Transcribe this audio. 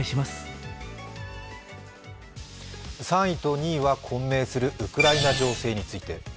３位と２位は混迷するウクライナ情勢について。